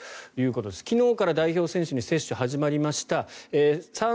昨日から代表選手に接種が始まりました。